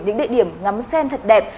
những địa điểm ngắm sen thật đẹp